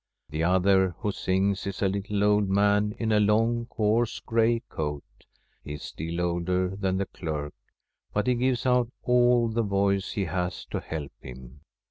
The other who sings is a little old man in a long, coarse gray coat. He is still older than the clerk, but he gives out all the voice he has to help him.